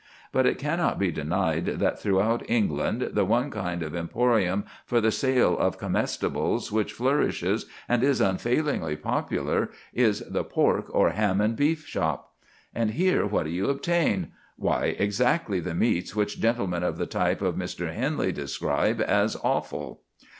But it cannot be denied that throughout England the one kind of emporium for the sale of comestibles which flourishes and is unfailingly popular is the pork or ham and beef shop. And here what do you obtain? Why, exactly the meats which gentlemen of the type of Mr. Henley describe as offal.